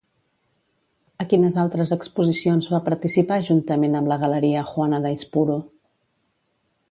A quines altres exposicions va participar juntament amb la galeria Juana d'Aizpuru?